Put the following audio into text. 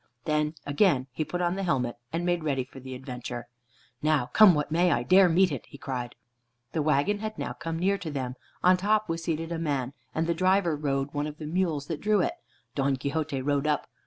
Then again he put on the helmet, and made ready for the adventure. "Now come what may, I dare meet it," he cried. The wagon had now come near to them. On top was seated a man, and the driver rode one of the mules that drew it. Don Quixote rode up.